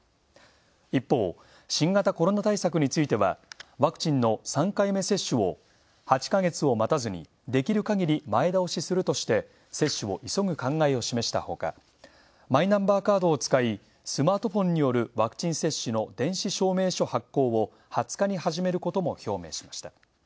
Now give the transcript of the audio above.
一方、新型コロナ対策については、ワクチンの３回目接種を「８ヵ月を待たずにできる限り前倒しする」として、接種を急ぐ考えを示したほか、マイナンバーカードを使いスマートフォンによるワクチン接種の電子証明書発行を２０日に始めることも表明しました。